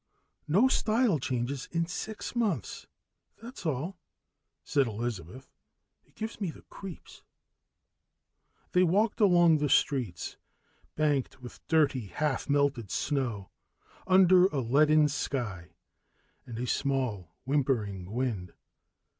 "No style change in six months, that's all," said Elizabeth. "It gives me the creeps." They walked along streets banked with dirty, half melted snow, under a leaden sky and a small whimpering wind.